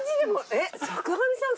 えっ坂上さん